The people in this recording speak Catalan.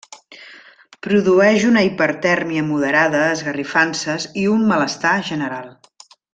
Produeix una hipertèrmia moderada, esgarrifances i un malestar general.